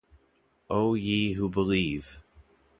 'O ye who believe!